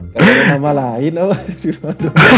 sambil nama lain apa divaldo